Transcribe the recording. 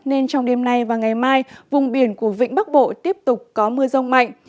nên trong đêm nay và ngày mai vùng biển của vĩnh bắc bộ tiếp tục có mưa rông mạnh